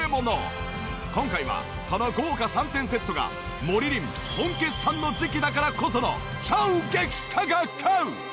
今回はこの豪華３点セットがモリリン本決算の時期だからこその衝撃価格！